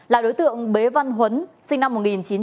là đối tượng bế văn huấn sinh năm một nghìn chín trăm tám mươi